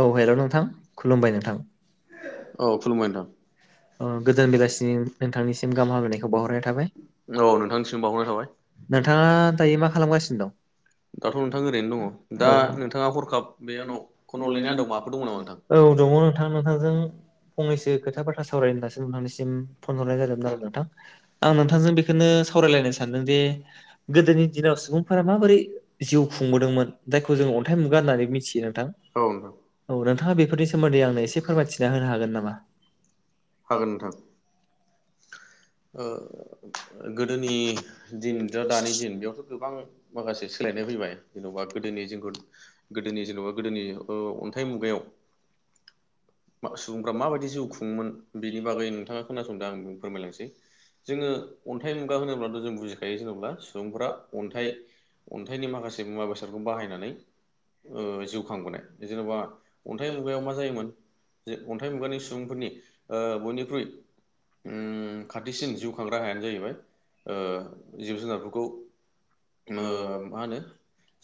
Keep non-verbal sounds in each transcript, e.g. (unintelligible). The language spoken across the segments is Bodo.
औ हेल' नोंथां खुलुमबाय नोंथां औ खुलुमबाय नोंथां औ गोजोन बेलासिनि नोंथांनिसिम। गाहाम हामलायनायखौ बावहरनाय थाबाय। औ नोंथांनिसिम बावहरनाय थाबाय नोंथाङा दायो मा खालामगासिनो दं। दाथ' नोंथाङा ओरैनो दङ दा औ नोंथाङा हरखाब बे आंनाव। फन हरलायनाय आदब माबाफोर दङ नामा नोंथां? औ दङ नोंथां नोंथांजों फंनैसो खोथा बाथ्रा सावरायनो दासो नोंथांनिसिम। फन हरनाय जादोंमोन आरो नोंथां। आं नोंथांजों बेखौनो सावरायलायनो सानदों दि गोदोनि दिनाव सुबुंफोरा माबोरै जिउ खुंबोदोंमोन जायखौ जों अन्थाइ मुगा होननानै मिथियो नोंथां। औ नोंथां औ नोंथाङा बेफोरनि सोमोन्दै आंनो एसे फोरमायथिना होनो हागोन नामा। हागोन नोंथां। ओ। गोदोनि दिन दा दानि दिन बेयावथ' गोबां माखासे सोलायनाय फैबाय जेन'बा गोदोनि जोंखौ गोदोनि जेनेबा गोदोनि अन्थाइ मुगायाव। सुबुंफ्रा माबायदि जिउ खुङोमोन बेनि बागै नोंथाङा खोनासं। दा आं फोरमायलांसै जोंओ अन्थाइ मुगा होनोब्लाथ' जों बुजिखायो जेनेा सुबुंफोरा अन्थाइ अन्थाइनि माखासे मुवा बेसादखौ बाहायनानै जिउ खांबोनाय जेन'बा अन्थाइ मुगायाव मा जायोमोन। जे अन्थाइ मुगानि सुबुंफोरनि बयनिख्रुइ। उम खाथिसिन जिउ खांग्रा हायानो जाहैबाय जिब जुनारफोरखौ मा होनो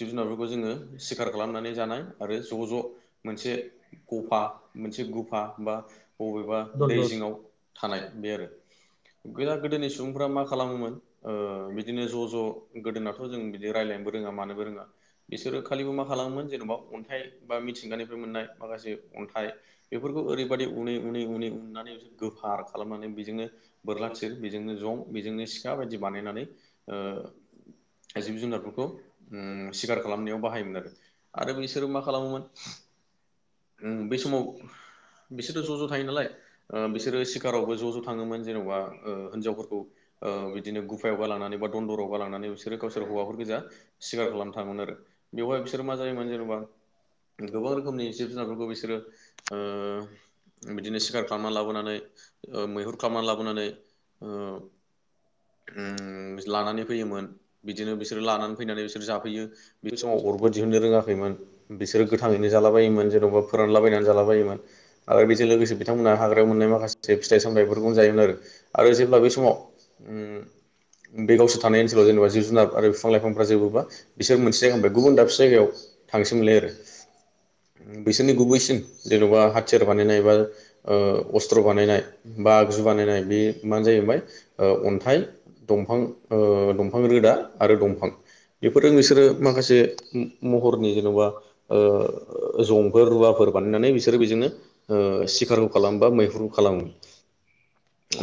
जिब जुनारफोरखौ जोङो सिखार खालामनानै जानाय आरो ज' ज' मोनसे गफा। मोनसे गुफा बा बबेबा दै जिंआव। थानाय बे आरो गोदान गोदोनि सुबुंफ्रा मा खालामोमोन बिदिनो ज' ज' गोदोनाथ' जों बिदि रायलायनोबो रोङा मानोबो रोङा बिसोरो खालिबो मा खालामोमोन जेन'बा अन्थाइ बा मिथिंगानिफ्राय मोननाय माखासे अन्थाइ। बेफोरखौ ओरैबायाददि उनै उनै उनै उननानै गो। फार खालामनानै बेजोंनो बोरला थिर बेजोंनो जं बेजोंनो सिखा बायदि बानायनानै जिब जुनारफोरखौ सिखार खालामनायाव बाहायोमोन आरो आरो बिसोरो मा खालामोमोन। बे समाव बिसोरथ' ज' ज' थायो नालाय बिसोर। बिसोरो सिखारावबो ज ज थांओमोन जेनबा ओ हिन्जावफोरखौ ओ बिदिनो गुफायाव गालांनानै बा दन्दरआव गालांनानै बिसोरो गावसार हौा गोजखार थाङोन आरो बेहाय बि जा बेफोरखौ बिसोरो बिदिनो सिखार खालामना लाबोनानै। मैहुर खालामनानै लाबोनानै ओ लानानै फैयोमोन बिदिनो बिसोरो लानानै फैनानै बिसोर जाफैयो बे समाव अरबो दिहुनो रोङाखैमोन बिसोरो गोथाङैनो जालाबायायोमोन जेन'बा फोरानलाबायनानै जालाबायायोमोन। आरो बेजों लोगोसे बिथांमोनहा हाग्रायाव मोननाय माखासे फिथाइ सामथथायफोरखौनो जायोमोन आरो जेब्ला बे समाव बे गावसोर थानाय ओनसोलाव जेनेबा जिब जुनार आरो बिफां लाइफांफ्रा जोबोबा बिसोर मोनसे जायगानिफ्राय गुबुन दाबसे जायगायाव थांसै मोनलाय आरो। बिसोरनि गुबैसिन जेन'बा हाथियार बानायनाय एबा ओ असट्र - बानायनाय बा आगजु बानायनाय बे मानो जाहैबाय अन्थाइ दां दफां रोदा आरो दंफां। बेफोरजों नोंसोरो माखासे महरनि जेन'बा ओ जंफोर रुवाफोर बानायनानै बिसोरो बेजोंनो सिखारखौ खालामबा मैहुर (inaudible)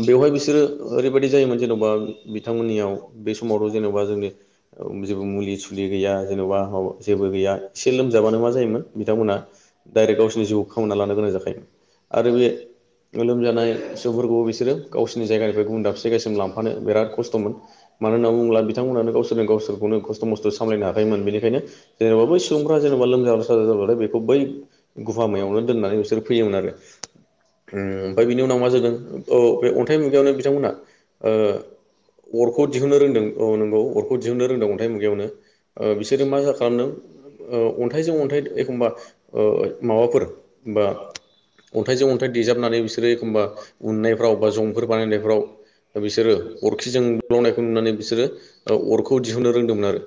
बेवहाय बिसोरो ओरैबायदि जायोमोन जेन'बा बिथांमोननियाव बे समावथ' जेन'बा जोंनि जेबो मुलि सुलि गैया। जेनेबा जेबो गैया एसे लोमजाबानो मा जायोमोन बिथांमोना डायरेक्ट गावसिरनि जिउखौ खामना लानो गोनां जाखायोमोन। आरो बे लोमजानाय सुबुंफोरखौ गावसिनि जायगानिफ्राय गुबुन दाबसे जायगासिम लांफानो बिराद खस्थ'मोन। मानो होन्ना बुङोब्ला बिथांमोनानो गावसोरनो गावसोरखौनो खस्थ' मस्थ' सामलायनो हाखोमोन। बेनिखायनो जेनेबा बै सुबुंफ्रा जेनेबा लोमजाब साजा जाबथाय बेखौ बै गुफा मायावनो दोननानै बिसोर फैयोमोन आरो। ओमफ्राय बिनि उनाव मा जादों। औ बे अन्थाइ मुगायावनो बिथांमोनहा अरखौ दिहुनो रोंदों। औ नोंगौ अरखौ दिहुननो रोंदों अन्थाइ मुगायावनो। बिसोरो मा जा खालामदों अन्थाइजों अन्थाइ एखमबा माबाफोर बा अन्थाइजों अन्थाइ होननानै बिसोरो एखमबा फोराव बा जंफोर बानायनायफ्राव बिसोरो अरखिजों बुलावनायखौ नुनानै बिसोरो अरखौ दिहुननो रोंदोंमोन। आरो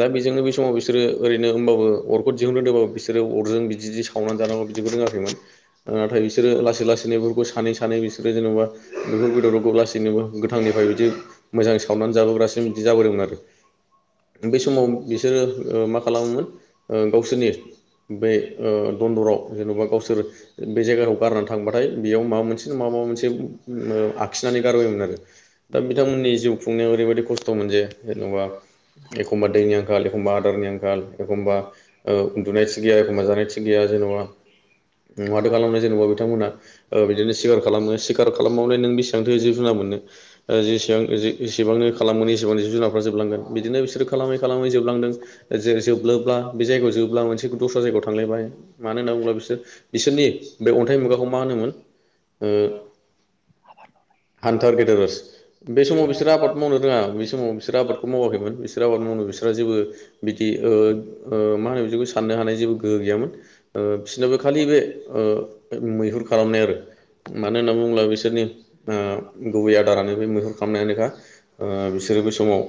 दा बेजोंनो बे समाव बिसोरो ओरैनो होनोमबाबो अरखौ दिहुन रोंदोंबाबो बिसोरो अरजों बिदि सावनानै जानांगौ बिदिखौ रोङाखैमोन। नाथाय बिसोर लासै लासै बेफोरखौ सानो सानै बिसोरो जेन'बा बेफोर बेदरावखौ लासैनोबो गोथांनिफ्राय बिदि मोजाङ सावनानै जाबोग्रासिम बिदि जाबोदोंमोन आरो। बे समाव बिसोरो मा खालामोमोन गावसोरनि बे दन्दराव जेन'बा गावसोर बे जायगाव थांबाथाय बेयाव मा बि माबा मोनसे आखिनानै गारबायोमोन आरो। दा बिथांमोननि जिउ खुंनायाव ओरैबायाददि खस्थ'मोन जे जेनेबा एखमबा दैनि आंखाल एखमबा आदारनि आंखाल एखमबा उन्दुनाय थि गैया एखमबा जानाय थिग गैया जेनेबा माथो खालामनाय जेनेबा मोना सिखार खालामो सिखार खालामबावलाय नों बेसेबांथो जिब जुनार मोनो। जेसेबांसेबांनो खालामो एसेबां जिब जुननाफ्रा जोबलांगोन बिदिनो बिसोरो खालामै खालामै जोबलांदों जे जोबब्ला बे जायगायाव जोबब्ला मोनसे दस्रा जायगायाव थांलायबाय। मानो होनना बुङोब्ला बिसोर बिसोरनि बे हथाइ मुगाखौ मा होनोमोन हान्थार गेदेरार्स। बे समाव बिसोरो आबाद मावनो रोङा, बे समाव बिसोरो आबादखौ मावाखैमोन बिसोर आबाद मावनो बिसोरो जेबो बिदि मा होनो बिदिबो साननो हानाय जेबो गोहो गैयामोन। बिसोरनाबो खालि बे मैहुर खालामनाय आरो मानो होनना बुङोब्ला बिसोरनि गुबै आदारानो बे मैहुर खालामनायानोखा। बिसोरो बे समाव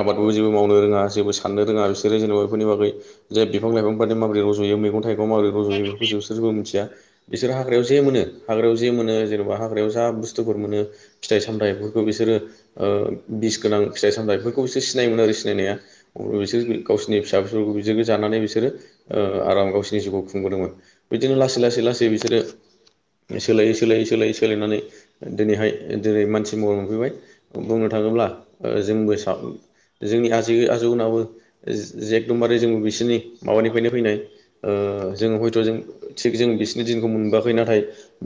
आबादखौ जेबो मावनो रोङा जेबो साननो रोङा। बिसोरो जेनेबा बेफोरनि बागै जे बिफां लाइफां बदि माबोरै रज'यो मैगं थाइगं माबोरै रज'यो बेखौफोरखौ बिसोरबो मिथिया। बिसोर हाग्रायाव जे मोनो जे मोनो जेनेबा हाग्रायाव जा बुस्थुफोर मोनो फिथाइ सामथफोरखौ बिसोरो बिस गोनां फिथाइ सामथफोरखौ बिसोर सिनायोमोन आरो सिनाया बिसोर गावसिरनि फिसा फिसौफोरखौ बिोर जानानै बिसोरो आराम गावोरनि जिउखौ खुंबोदोंमोन। बिदिनो लासै लासै ला (inaudible) सोलायै सोलायै सोलायै सोलायनानै दिनैहाय दिनै मानसि महर मोनफैबाय बुंनो थाङोब्ला जोंबो जोंनि आजै आजौनाबो एकदमबारे जोंबो बिसोरनि माबानिफ्रायनो फैनाय ओ जोङो हयथ' जों थिग जों बि जों मोनबोआखै नाथाय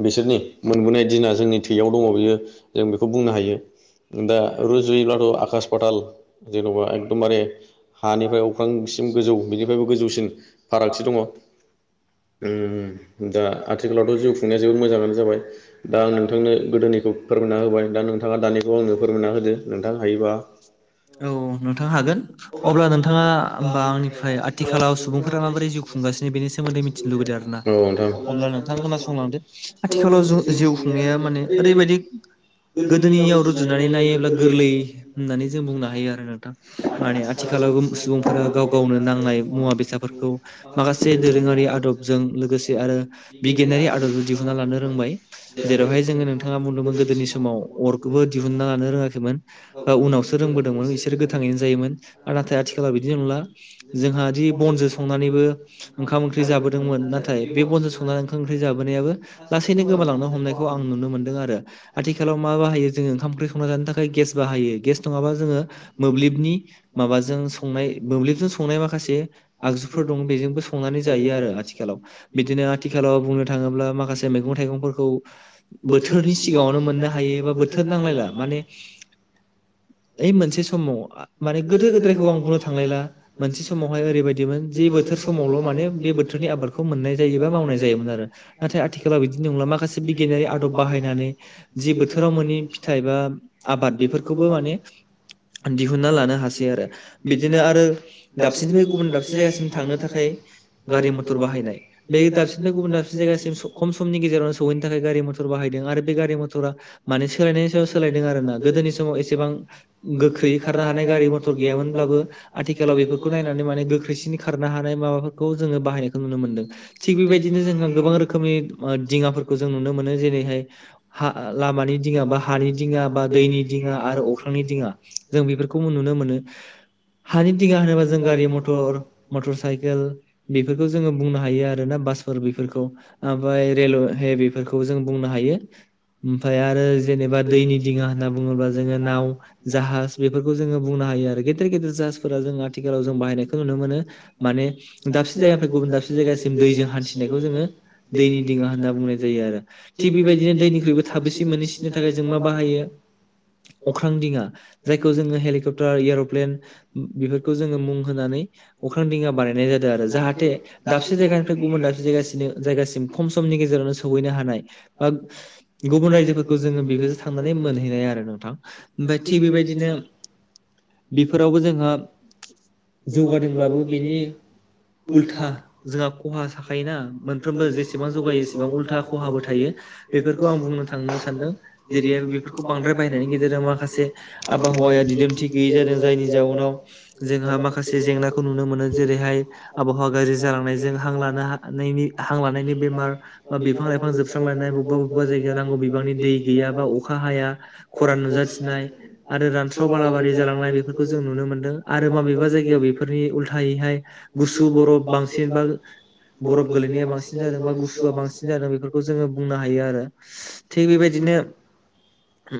मोनबोनाय दिना जोंनि थैयाव दङ बियो जों बेखौ बुंनो हायो दा रुजुयोब्लाथ' आकास फाथाल जेन'बा एकदमबारे हानिफ्राय अख्रांसिम गोजौ बिनिफ्रायबो गोजौसिन फारागथि दङ। दा आथिखालावथ' जिउ खुंनाय जायो जाबाय दा आं नोंथांनो गोदोनिखौ फोरमायना होबाय दा नोंथाङा दानिखौ आंनो फोरमायना होदो नोंथां हायोबा अब्ला नोंथाङा होमबा आंनिफ्राय आथिखालाव सुबुंफोरा माबोरै जिउ खुंगासिनो बेनि सोमोन्दै मिथिनो लुबैदों आरोना औ नोंथां अब्ला नोंथां खोनासंलांदो। आथिखालाव जों जिउ खुंनाया माने ओरैबायदि गोदोनियाव रुजुनानै नायोब्ला गोरलै होननानै जों बुंनो हायो आरो नोंथां। माने आथिखालाव सुबुंफोरा गाव गावनो नांनाय मुवा बेसादफोरखौ माखासे दोरोङारि आदबजों लोगोसे आरो बिगियानारि आदबजों दिहुनना लानो रोंबाय जेरावहाय जोङो नोंथाङा बुदोंमोन गोदोनि समाव अरखौ दिहुनना लानो रोङाखैमोन उनावसो रोबोदोंमोन बिसोर गोथाङैनो जायोमोन आरो नाथाय आथिखालाव बिदि नंला जोंहा बि बनजों संनानैबो ओंखाम ओंख्रि जाबोदोंमोन नाथाय बे बनजों संनानै ओंखाम ओंख्रि जाबोनायाबो लासैनो गोमालांनो हमनायखौ आं नुनो मोनदों आरो आथिखालाव मा बाहायो जोङो ओंखाम ओंख्रि संना जानो थाखाय गेस बाहायो गेस नङाबा जोङ मोब्लिब नि माबाजों संनाय मोब्लिबजों संनाय माखासे आगजुफोर दं बेजोंबो संनानै जायो आरो आथिखालाव बिदिनो आथिखालाव बुंनो थाङोब्ला माखासे मैगं थाइगंफोरखौ बोथोरनि सिगाङावनो मोननो हायो बा बोथोर नांलायला माने ओइ मोनसे समाव माने गोदो गोदायखौ आं बुंनो थांलायला मोनसे समावहाय ओरैबायदिमोन जे बोथोर समावल' माने बे बोथोरनि आबादखौ मोननाय जायोबा मावनाय जायोमोन आरो नाथाय आथिखालाव बिदि नंला माखासे बिगियानारि आदब बाहायनानै जि बोथोराव मोनि फिथाइ बा आबाद बेफोरखौबो माने दि दिहुनना लानो हासै आरो बिदिनो आरो दाबसेनिफ्राय गुबुन दाबसे जायगासिम थांनो थाखाय गारि मथर बाहायनाय बे दाबसेनिफ्राय गुबुन दाबसे जायगासिम स खम समनि गेजेरावनो सहैनो थाखाय गारि मथर बाहायदों आरो बे गारि मथरा माने सोलायनायनि सायाव सोलायदों आरोना गोदोनि समाव एसेबां गोख्रै खारनो हानाय गारि मथर गैयामोनब्लाबो आथिखालाव बेफोरखौ नायनानै माने गोख्रैसिन खारनो हानाय माबाफोरखौ जोङो बाहायनायखौ नुनो मोनदों थिग बेबायदिनो जोंहा गोबां रोखोमनि दिङाफोरखौ जों नुनो मोनो। जेरैहाय हा लामानि दिङा बा हानि दिङा बा दैनि दिङा आरो अख्रांनि दिङा। जों बेफोरखौबो नुनो मोनो हानि दिङा होनोबा जों गारि मथर मटर साइकेल बेफोरखौ जोङो बुंनो हायो आरो ना बासफोर बेफोरखौ। ओ रेलवे बेफोरखौ जों बुंनो हायो ओमफ्राय आरो जेनेबा दैनि दिङा होनना बुङोब्ला जोङो नाव जाहाज बेफोरखौ जोङो बुंनो हायो आरो। गेदेर गेदेर जाहासफोरा जों आथिखालाव जों बाहायनायखौ नुनो मोनो माने दाबसे जायगानिफ्राय गुबुन दाबसे जायगासिम दैजों हान्थिनायखौ जोङो दैनि दिङा होनना बुंनाय जायो आरो थिग बेबायदिनो दैनिख्रुइबो थाबेसे मोनहैसिननो थाखाय जों मा बाहायो अख्रां दिङा जायखौ जोङो हेलिकप्टार एर'प्लेन बेफोरखौ जोङो मुं होनानै अख्रां दिङा बानायनाय जादों आरो। जाहाथे दाबसे जायगानिफ्राय गुबुन दाबसे जायगासिनो जायगा खम समनि गेजेरावनो सहैनो हानाय बा गुबुन रायजोफोरखौ जोङो बेबायदि थांनानै मोनहैनाय आरो नोंथां थिग बेबायदि बिदिनो बेफोरावबो जोंहा जौगादोंबाबो जौगादोंल्बाबो बिनि बेनि उल्था जोंहा खहा जाखायोना मोनफ्रोमबो जेसेबां जौगायो इसेबां उल्था खहाबो थायो बेफोरखौ आं बुंनो थांनो सानदों जेरै बेफोरखौ बांद्राय बायनायनि गेजेरजों माखासे आबहावाया दिदोमथि गैयै जादों जायनि जाउनाव जोंहा माखासे जेंनाखौ नुनो मोनो जेरैहाय आबहावा गाज्रि जालांनायजों हां लानो हानायनि हां लानायनि बेमार बा बिफां -लाइफां जोबस्रांलायनाय बबेबा- बबेबा जायगायाव नांगौ बिबांनि दै गैया बा अखा हाया खरान नुजाथिनाय आरो रानस्राव बालाबारि जालांनाय बेफोरखौ जों नुनो मोन्दों आरो माबेबा जायगायाव बेफोरनि उल्थायैहाय गुसु बरफ बांसिन बा बरफ गोलैनाया बांसिन जादों बा गुसुआ बांसिन जादों बेफोरखौ जोड़ो बुंनो हायो आरो थिक बेबायनो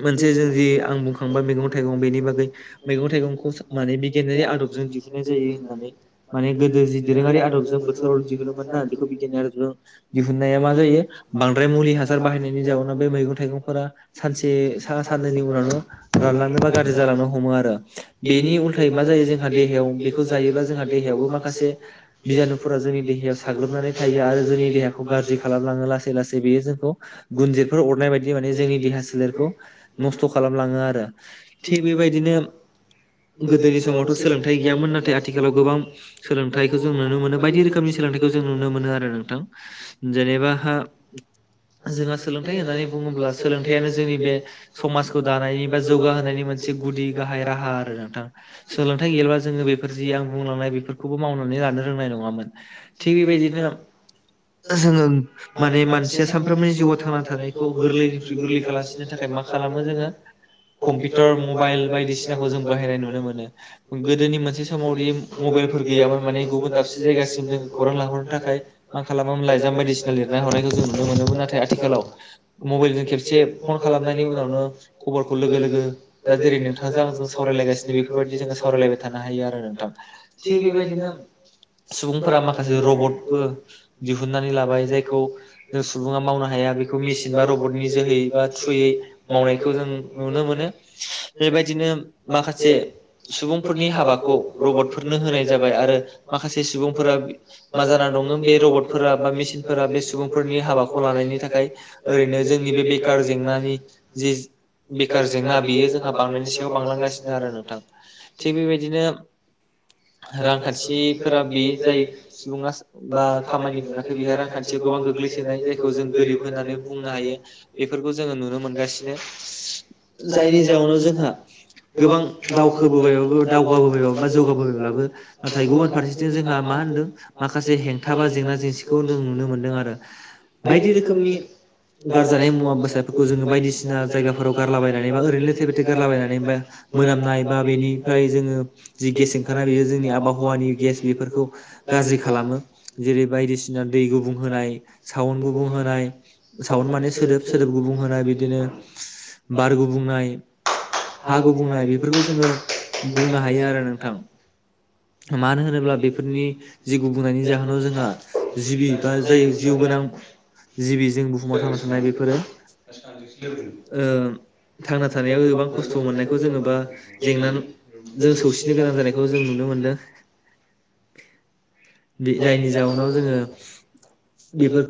मोनसे जों जि आं बुंखांबाय मैगं थाइगं बेनि बागै, मैगं थाइगंखौ माने बिगियानारि आदबजों दिहुनाय जायो होननानै माने गोदो जि दोरोङारि आदबजों बोथोराव दिहुनोन ना बेखौ बिगियानारि आदबजों दिहुननाया मा जायो बांद्राय मुलि हासार बाहायनायनि जाउोनाव बे मैगं थाइगंफोरा सानसे साननैनि उनावनो रानलांनो बा गाज्रि जालांनो हमो आरो बेनि उल्थायै मा जायो जोंहा देहायाव बेखौ जायोब्ला जोंहा देहायावबो माखासे बिजानुफोरा जोंनि देहायाव साग्लोबनानै थायो आरो जोंनि देहाखौ गाज्रि खालामलाङो लासै लासै बेयो जोंखौ गुनजिरफोर अरनाय बायदि माने जोंनि देहा सोलेरखौ नस्थ' खालामलाङो आरो थिग बेबायदिनो गोदोनि समावथ' सोलोंथाइ गैयामोन नाथाय आथिखालाव गोबां सोलोंथाइखौ जों नुनो मोनो बायदि रोखोमनि सोलोंथाइखौ जों नुनो मोनो आरो नोंथां। जेनेबा हा जोंहा सोलोंथाइ होननानै बुङोब्ला सोलोंथायाइयानो जोंनि बे समाजखौ दानायनि बा जौगाहोनायनि मोनसे गुदि गाहाय राहा आरो नोंथां सोलोंथाइ गैयबा जोङो बेफोर जि आं बुंलांनाय बेफोरखौबो मावनानै लानो रोंनाय नङामोन थिग बेबायदिनो जोङो माने मानसिया सानफ्रोमबोनि जिउआव थांना थानायखौ गोरलैनिख्रुइ गोरलै खालामसिनो थाखाय मा खालामो जोङो कम्पिउटार मबाइल बायदिसिनाखौ जों बाहायनाय नुनो मोनो गोदोनि मोनसे समावदि मबाइलफोर गैयामोन माने गुबुन दाबसे जायगासिम जों खौरां लाहरनो थाखाय मा खालामोमोनलायजाम बायदिसिना लिरना हरनायखौ जों नुनो मोनोमोन नाथाय आथिखालाव मबाइल ज खेबसे फन खालामनायनि उनावनो खबरखौ लोगो- लोगो दा जेरै नोंथांजों आंजों सावरायलायगासिनो बेफोरबायदि जों सावरायलायबाय थानो हायो आरो नोंथां। थिग बेबायदिनो सुबुंफोरा माखासे रबटबो दिहुननानै लाबाय जायखौ जों सुबुङा मावनो हाया बेखौ मेसिन बा रबटनि जोहै बा थ्रुयै मावनायखौ जों नुनो मोनो बेबायदिनो माखासे सुबुंफोरनि हाबाखौ रबटफोरनो होनाय जाबाय आरो माखासे सुबुंफोरा मा जाना दङ बे रबट फोरा बा मेचनफोरा बे सुबुंफोरनि हाबाखौ लानायनि थाखाय ओरैनो जोंनि बे बेखार जेंनानि जि बेखार जेंना बेयो जोंहा बांनायनि सायाव बांलांगासिनो आरो नोंथां थिग बेबायदिनो रांखान्थिफोरा बे जाय सुबुङा बा खामानि मोनाखै बेहा रांखान्थियाव गोबां गोग्लैसोनाय जायखौ जों गोरिब होननानै बुंनो हायो बेफोरखौ जोङो नुनो मोनगासिनो। जायनि जाउनाव जोंहा गोबां दावखोबोबायबो- दावगाबोबायबो बा जौगाबोबायब्लाबो नाथाय गुबुन फारसेथिं जोंहा मा होनदों माखासे हेंथ हेंथा बा जेंना - जेंसिखौ जों नुनो मोनदों आरो बायदि रोखोमनि गारजानाय मुवा- बेसादफोरखौ जोङो बायदिसिना बायदिसिना जायगाफोराव गारलाबायनानै बा ओरैनो लेथें-फेथें गारलाबायनानै बा मोनामनाय बा बेनिफ्राय जोङो जि गेस ओंखारनाय बेयो जोंनि आबहावानि गेस बेफोरखौ गाज्रि खालामो। जेरै बायदिसिना दै गुबुं होनाय, साउन गुबुं होनाय साउन माने सोदोब सोदोब गुबुं होनाय बिदि बार गुबुंनाय, हा गुबुंनाय बेफोरखौ बुंनो हायो आरो नोथां मानो होनोब्ला बेफोरनि जि गुबुंनायनि जाहोनाव जोंहा जिबि बा जाय जिउ गोनां जिबि जों बुहुमाव थांना थानाय बेफोरो (unintelligible) (unintelligible) ओ थांना थानायाव गोबां खस्थ' मोननायखौ जेन'बा जेंनाजों जों सौसिनो गोनां जानायखौ जों नुनो मोनदों थाखाय (unintelligible) जायनि जाउनाव जोङो बेफ